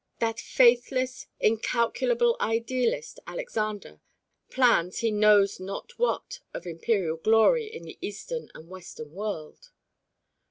That faithless, incalculable idealist Alexander, plans he knows not what of imperial glory in the Eastern and Western world.